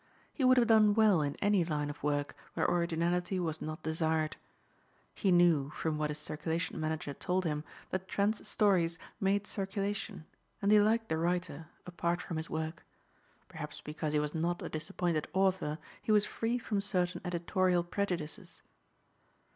He would have done well in any line of work where originality was not desired. He knew, from what his circulation manager told him, that Trent's stories made circulation and he liked the writer apart from his work. Perhaps because he was not a disappointed author he was free from certain editorial prejudices.